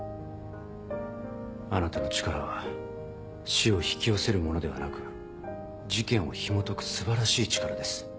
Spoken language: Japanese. あなたの力は死を引き寄せるものではなく事件をひもとく素晴らしい力です。